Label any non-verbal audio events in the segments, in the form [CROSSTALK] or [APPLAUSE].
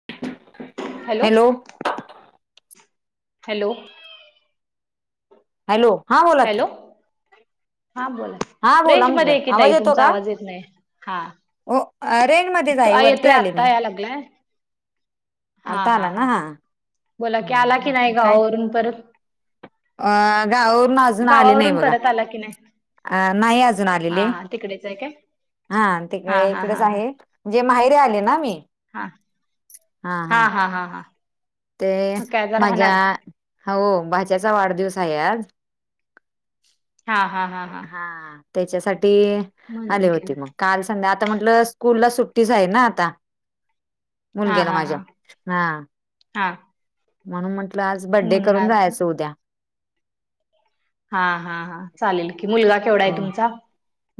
[INAUDIBLE] [INAUDIBLE] Hello hello. Hello, हां बोला hello की. हा बोला, हा बोला रेंज मध्ये म्हटलं एकी आवाज ताई येतो तुमचा का आवाज येत नाही. हा. हो, रेंज मध्येच तो हाय वरती येतोय आले आत्ता मी. याय लागलाय. आता आला ना? हा. बोला की आला की नाही ह काय? गावावरून परत अ गावावरून अजून आले नाही गावावरून बघा, परत आला की नाही. अ नाही अजून हा आलेले. हा तिकडेच हाय काय? हा तिक हा हा इकडेच हा हा आहे, म्हंजे माहेरी आले ना मी. हा हा हा हा हा. ते मग काय आता माझ्या राहणार. हा ओ भाच्याचा वाढदिवस आहे आज. हा हा हा हा. हा तेच्यासाठी म्हणून आले होते गेला. मग. काल संध्या आता म्हटलं आता, स्कूल ला सुट्टीच आहे ना आता. हां मुलग्याला हां हां माझ्या हा हां. म्हणून म्हंटलं आज बड्डे करून आलता. जायाचं उद्या. हां हां हां चालेलं की, मुलगा केवढा हो हाय तुमचा?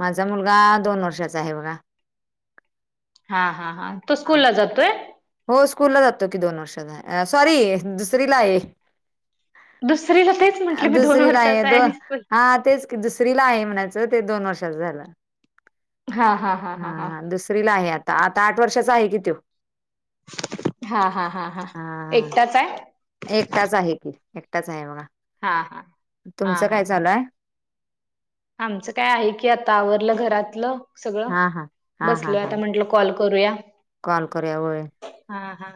माझा मुलगा दोन वर्षाचा आहे बघा. हा हा हा. तो स्कूल ला जातोय? हो स्कूलला जातो की दोन वर्षाचा हाय, सॉरी दुसरीला आहे. दुसरीला तेच म्हंटले मी दोन दुसरी ला आहे. वर्षाचा दोन आणि स्कूल हा तेच की दुसरीला आहे म्हणायचं, ते दोन वर्षाच झालं. हा हा दुसरी ला आहे आता, आता आठ वर्षाचा आहे कि तो. हा हा हा. हा हा एकटाच आहे एकटाच आहे की, एकटाच आहे बघा. हा हा हा तुमचं हा काय हा चालू हाय? आमचं काय आहे की, आता आवरलं घरातलं सगळं. हा हा. हा हा बसलोय हा आता म्हटलं, कॉल करूया. कॉल करुया व्हय. हा हा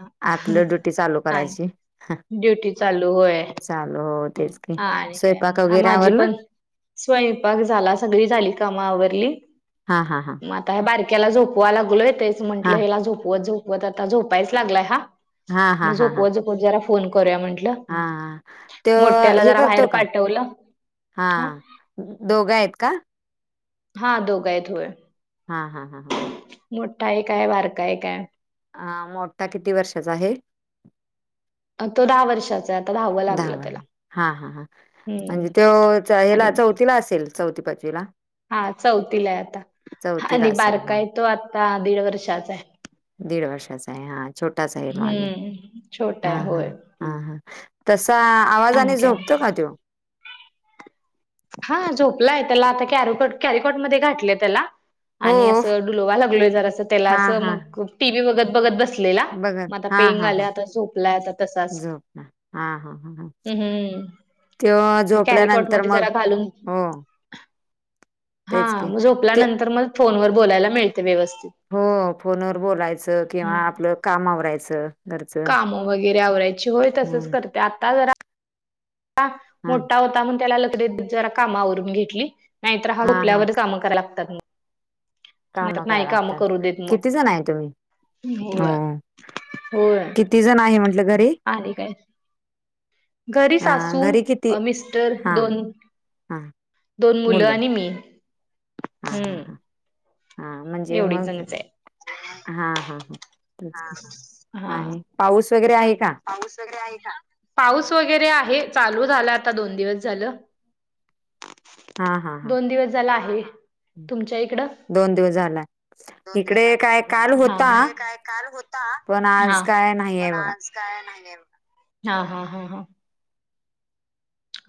करायची. आणि ड्युटी चालू होय. चालू हो तेच की हा आणि काय स्वयंपाक म वगैरे माझी आवरला पण स्वयंपाक झाला, सगळी झालीत काम आवरली. हा हा हां. म आता हे बारक्याला झोपवाय लागलोय तेच हा म्हंटलं, याला झोपवत झोपवत आता झोपायच लागलाय हा. हा म हा हा हा. झोपवत, झोपवत जरा फोन करूया म्हटल. हा तो हे बाहेर करतो का? पाठवलं हा दोघ आहेत का? हा दोघ आहेत होय. हा हा हा हा मोठा एक आहे. बारका एक आहे. आ मोठा किती वर्षाचा आहे. तो दहा वर्षाचा आता दहावं दहा लागलं व त्याला हा हा हा हम्म म्हणजे तो आणि याला चौथीला असेल. चौथी पाचवीला हा चौथीला आहे आता. चौथीला आणि असेल बारका हा आहे तो आता दीड वर्षाचा आहे. दीड वर्षाचा आहे. हा छोटासा आहे मग अजून. हम्म छोटा हा आहे हा होय हा हा तसा आणि आवाजाने काय झोपतो का तो? हा झोपलाय. त्याला आता कॅरीकोट कॅरीकोट मध्ये घातलय त्याला. हो आणि अस डुलवा लागलोय जरास त्याला हा अस. हा मग टीव्ही बघत बघत बस बघा मग आता हा हा पेंगाले हा आता झोपला आता तसाच. झोपला हम्म हम्म तो ते कॅरिकॉट झोपल्यानंतर मध्ये म जरा घालून हा तेच की म ते झोपल्यानंतर मग फोनवर बोलायला मिळते व्यवस्थित. हो फोनवर बोलायच किंवा आपल काम आवरायच. काम वगैरे आवरायची. होय तसच हम्म. करते. आता जरा ह हा मोठा होता म्हणून त्याला लगेच जरा काम आवरून घेतली. नाहीतर हा झोपल्यावर काम करावे लागतात‌ मग. काम नाही कराव काम लागतात. करू देत मग. किती जण आहे तुम्ही? हो होय होय किती जण आहे म्हटल घरी? आणि काय घरी अ सासू, घरी किती? मिस्टर हा दोन हा दोन मुल मुलं आणि मी‌. हा हा हा हा म्हणजे एवढी मग जणच आहे हा हा हा आणि पाऊस वगैरे आहे का? पास वगैरे आहे का? पाऊस वगैरे आहे. चालू झाला आता दोन दिवस झाल. हा हा हा दोन दिवस झाल आहे‌. तुमच्या इकड दोन दिवस झाला, इकडे काय काल होता. काल होता पण आज काय नाही आहे बघा. हा हा हा हा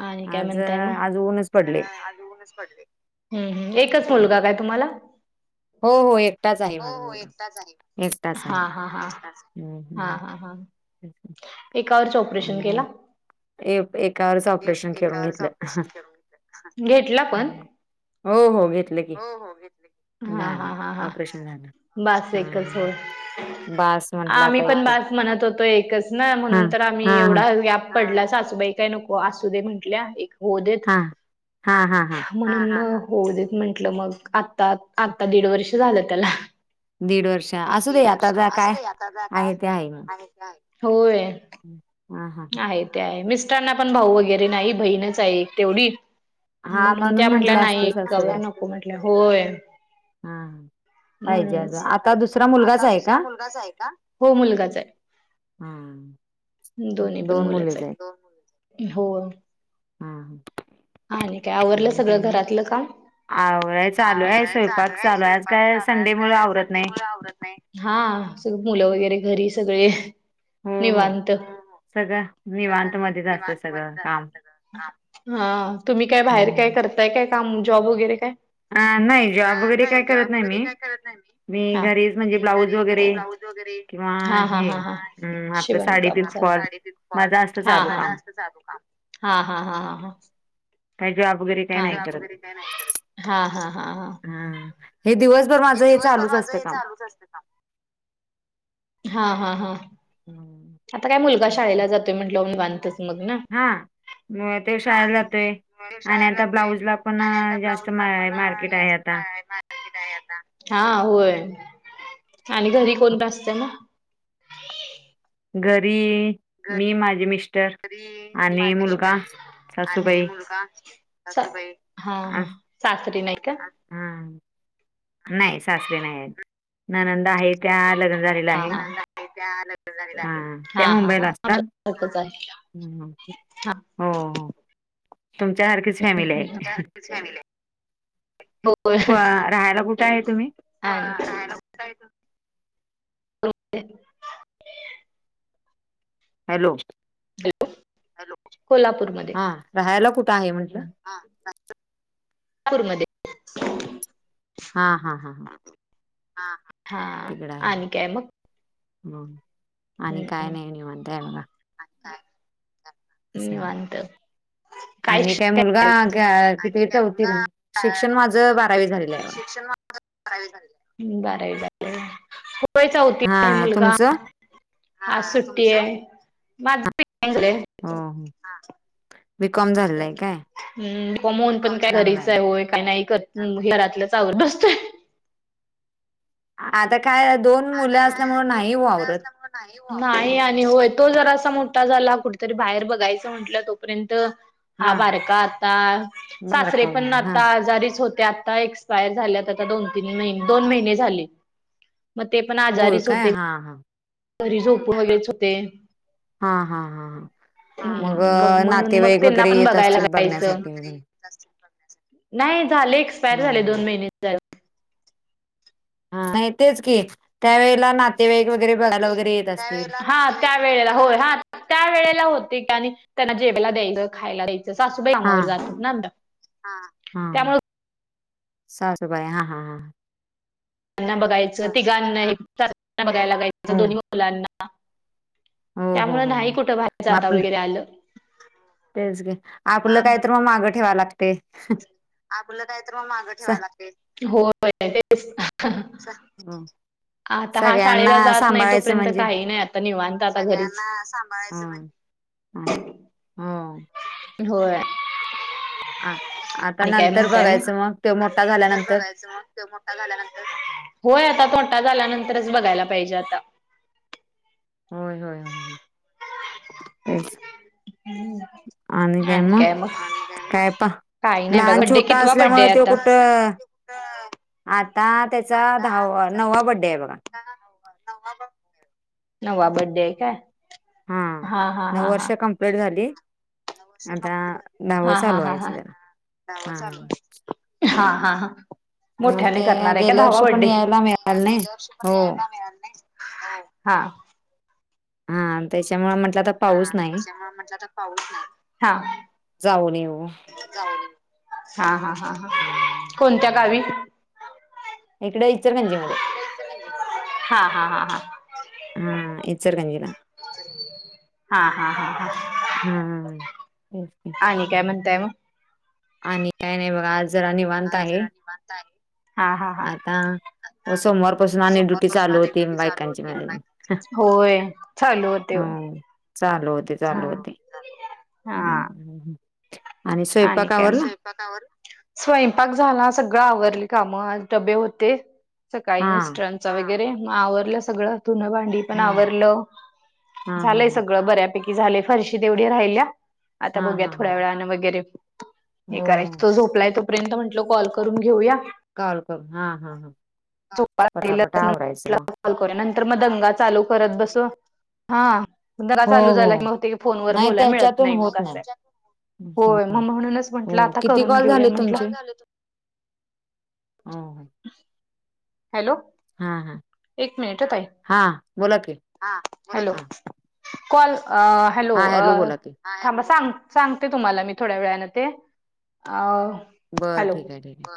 आणि काय आज अ, म्हणताय मग. आज ऊनच पडले. आज उणच पडलय. हम्म हम्म एकच मुलगा काय तुम्हाला? हो हो एकटाच आहे मला मुलगा. एकटाच आहे‌. हा हा हा हम्म हा हा हा हम्म एकावरच आणि ऑपरेशन केला. काय एकावरच ऑपरेशन करून घेतल. घेतला पण हो हो घेतल की. हा झाल हा हा हा ऑपरेशन झाल. बास एकच होय‌. बास म्हंटलं आम्ही आता पण एकच बास म्हणत होतो एकच ना हा म्हणून तर मी हा एवढा गॅप पडला सासूबाई काय नको आसू देे म्हंटल्या एक होदेत. हा हा. हा हा हा म होऊ देत म्हंटलं मग आता आता दीड वर्ष झालं त्याला. दीड वर्ष असू दे आता काय आहे ते आहे म होय. [INAUDIBLE] हा आहे ते आहे मिस्टरांना पण भाऊ वगैरे नाही बहीणच आहे एक तेवढी. हा म्हणून त्या म्हटल्या म्हंटले नाही असते एकावर सासूबाई नको म्हटल्या होय. हा ‌. म्हणूनच, आता आहे का? दुसरा मुलगाच आहे का? हो मुलगाच आहे. हम्म. दोन्ही पण मुलंच आहेत हो. हा हा. हा आणि काय, आवरलं सगळं घरातलं काम? आवराय चालू आहे, स्वयंपाक चालू आहे आज काय संडे मुळं आवरत नाही. आवरत नाही. हा सग मुलं वगैरे घरी सगळे हो हो निवांत. सगळं सगळ निवांत मध्येच असतं निवांत सगळं मध्येच काम. असतं सगळं हा. तुम्ही काय बाहेर काय करताय काय काम जॉब वगैरे काय? अ नाही जॉब वगैरे काय करत नाही मी मी हा घरीच म्हणजे ब्लाऊज वगैरे किंवा हा हा हे हा अ आपलं साडी पिकोफॉल. पिकॉफॉल हा हा हा हा हा हा. काही जॉब वगैरे काय नाही करत. हा हा हा हा. हा हे दिवसभर माझं हे चालूच असतं काम. हा. हा हा हा. नाही. आता काय मुलगा शाळेला जातोय म्हटल्यावर निवांतच मग ना. म ते शाळेला जातोय. आणि आता ब्लाऊज ला पण जास्त मार्केट आहे आता. हा होय आणि घरी कोणत असतंय मग? घरी, मी माझे मिस्टर. मी आणि माझे मुलगा, मिस्टर आणि सासूबाई मुलगा सासूबाई हा अ हा. सासरे नाही का? हा नाही सासरे नाही आहेत ननंद आहे त्या लग्न झाल्यात. हा हा. हा त्या हा हा मुंबईला अच्छा असतात. आता हं. झाला. हो हो, तुमच्यासारखीच फॅमिली हाय. क्वा राह्यला कुठं आहे तुम्ही? रहायला कुठे आहे तुम्ही? हॅलो. हॅलो हॅलो कोल्हापूरमध्ये. हा राहायला कुठं आहे म्हंटलं? हा कोल्हापुरमध्ये. हा हा हा हा, हा हा, तिकडं आहे. आणि काय मग. आणि हम्म काय नाही निवांत हाय बघा. असं. निवांत. काय आणि शिक्षण मुलगा आहे त्याचं क आणि कितवीत काय चौथीला? मुलगा शिक्षण कितवी माझं चौथीत बारावी झालेलं आहे. बघा. [INAUDIBLE] दहावी बारावी झाले बारावी झाली [INAUDIBLE] होय होय चौथीत आहे हा मुलगा तुमचं? आज सुट्टी हाय माझं बी ए झालंय. अ, हम्म होय मी पण काय चांगलाय घरीच आहे नाही काय करत. हम घरातल्याच आवरत बसते. आता काय दोन मुलं असल्यामूळ नाही ओ आवरत. नाही आणि होय तो जरा असा मोठा झाला कुठेतरी बाहेर बघायचं म्हटलं तोपर्यंत. हा बारका आता सासरे बारका पण झाला हा आता आजारीच होते आता एक्सपायर. एक्स्पायर झाल्यात आता दोन तीन महिने दोन महिने झाले म तेपण होय आजारीच काय होते. हा हा, घरी झोपूनच वैगरे होते. हा हा हा हा, मग हम्म म्हणून मग नातेवाईक त्यांना वगैरे पण येत बघायला असतील लागायचं. बघण्यासाठी म्हणून. नाही झाले एक्सपायर झाले दोन महिने झालं. ह नाही तेच की त्यावेेळेला नातेवाईक वगैरे बघायला वगैरे येत असतील. हा त्या वेळेला होय हा त्या वेळेला होते आणि त्यांना जेवायला द्यायचं खायला द्यायच. सासूबाई हा कामावर जातात ना आमच्या. हा त्यामुळे सासूबाई हा हा हा, यांना बघायचं तिघांनाना सासऱ्यांना बघाय लागायचं हो दोन्ही मुलांना. हो हो त्यामूळ नाही हो कुठं बाहेर मग जाता आपलं वगैरे आलं. तेच की आपलं काय तर मग मागं ठेवाव लागते. होय तेच ना. हम. आता हा शाळेला जात नाही तोपर्यंत म्हणजे काही नाही आता निवांत आता घरीच. हम हो. होय. आ आता आणि काय नंतर म्हणताय मग बघायचं तो आता मोठा नंतर झाल्यानंतर बघायचं मग. होय आता तोटा झाल्यानंतरच बघायला पाहिजे आता. होय होय होय तेच. खेच जोरात. आणि काय मग. काय पा काही नाही बघा लहान बड्डे छोटा कितवा असल्यामुळे बड्डे आहे ते आता कुठं. आता त्याचा दहा नववा बड्डे आहे बघा. नववा बड्डे आहे काय. हा हा नऊ हा वर्ष हा कमप्लीट झाली. आता दहावं हा हा चालू हा हा, व्हायचं जरा. दहाव हा. चालू हाय. हा हा हा, मग मोठ्याने ते करणार आहे का गेल्या दहावा वर्षी पण बर्थडे. यायला मिळालं नाही. हो. हा हा, हा त्याच्यामुळे म्हटलं आता. ह. पाऊस नाही त्याच्यामुळे म्हटलं तर पाऊच नाही. ह. मेऊ. हा हा हा हा हम कोणत्या गावी? इकडे, इचरगंजी मध्ये. हा, हा, हा, हां. हा, इचरकणजीला. हा, हा, हा, हा. [INAUDIBLE] हा, तेच की. आणि काय, म्हणताय मग? आणि काही नाही बघा. आज जरा निवांत आज आहे जरा निवांताय. हा, हा, हा. आता आता, हो सोमवारपासून आणि सोमवार ड्युटी पाासून चालू आणि होती ड्युटी, चालू बायकांची होतीय का माझी काय? होय. चालू होते व. हो. चालू होते, चालू होते. हम, हा हम, हम. आणि सु आणि काम मग? स्वयप क आवर. स्वयंपाक झाला. सगळं आवरली कामं. आज डबे होते सकाळी हा मिस्टरांचा वगैरे. मग आवरलं सगळं. धुणं- भांड डी पण हा आवरलं. हा हा झालंय सगळं. बऱ्यापैकी झालंय. फरशी तेवढ्या राहिल्या. आता हा हा बघूया, हा हा थोड्या वेळान वगैरे. हे हो करायचं. हो तो झोपलाय तोपर्यंत म्हटलं, कॉल करून घेऊया. कॉल क हा, हा, हा. पटापटा आवरायचं मग. तर मग दंगा चालू करत बसू. हा. जरा हो चालू हो झाला की, मग ते फोन वर नाही बोलायला मिळत त्याच्यातून नाही मग. होत असय. होय. म हं, म्हणूनच म्हटलं. आता करून घेऊया, म्हटलं. किती कॉल झाले तुम? ह, ह. हॅलो. ह, ह. एक मिनिट अ ताई. हा. हॅलो, हा कॉल अ हॅलो, हा अ बोला की [UNINTELLIGIBLE] थांबा. सांग - सांगते तुम्हाला मी थोड्या वेळानं ते. अ बरं. हॅलो ठीकय. ठीकय.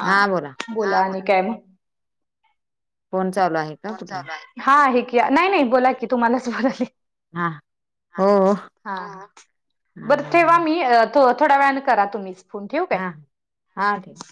हा, बोला आणि काय मग? फोन चालू आहे. का फोन कुठला चालू आहे? हा. हे, की. नाही- नाही. बोला कि, तुम्हालाच बोलाले. हा हा. हो हो हा. ह, बरं, हा हा ठेवा. मी, अ थो -थोड्या वेळाने करा तुम्हीच फोन. ठेऊ काय? हा हा, ठेवा.